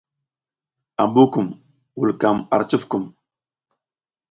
Ambu kum vulkam ar cufkum.